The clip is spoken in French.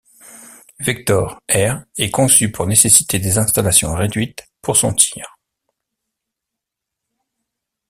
Vector-R est conçu pour nécessiter des installations réduites pour son tir.